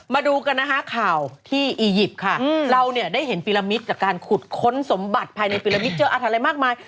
มาดูกันนะคะข่าวที่อียิปต์ค่ะเราเนี่ยได้เห็นฟิลมิตจากการขุดค้นสมบัติภายในฟิลมิตเจออะไรมากมาย